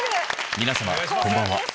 皆さまこんばんは。